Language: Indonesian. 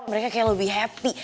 mereka kayak lebih happy